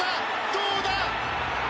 どうだ？